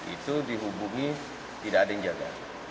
itu dihubungi tidak ada yang jaga